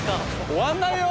終わんないよ？